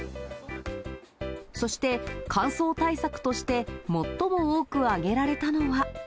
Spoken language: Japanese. そして、乾燥対策として最も多く挙げられたのは。